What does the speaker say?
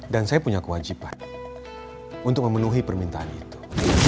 dan saya punya kewajiban untuk memenuhi permintaan itu